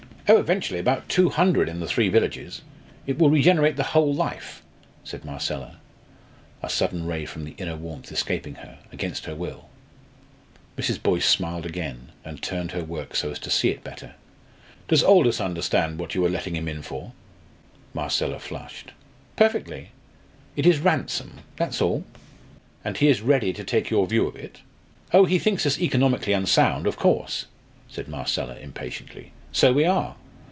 "Oh! eventually, about two hundred in the three villages. It will regenerate the whole life!" said Marcella, a sudden ray from the inner warmth escaping her, against her will. Mrs. Boyce smiled again, and turned her work so as to see it better. "Does Aldous understand what you are letting him in for?" Marcella flushed. "Perfectly. It is 'ransom' that's all." "And he is ready to take your view of it?" "Oh, he thinks us economically unsound, of course," said Marcella, impatiently. "So we are.